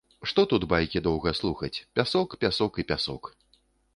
Што тут байкі доўга слухаць, пясок, пясок і пясок.